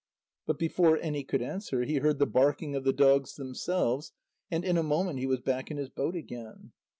But before any could answer, he heard the barking of the dogs themselves. And in a moment he was back in his boat again.